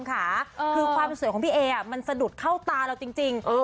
คือความสวยของพี่เอมันสะดุดเข้าตาเราจริง